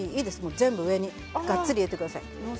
全部、上にがっつりと載せてください。